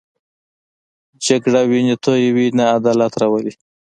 جګړه وینې تویوي، نه عدالت راولي